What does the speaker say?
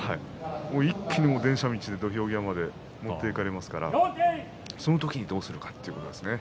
一気に電車道で土俵際まで持っていかれますからその時にどうするかということですね。